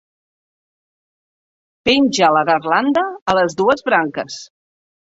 Penja la garlanda a les dues branques.